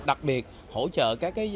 đặc biệt hỗ trợ các nhà sản xuất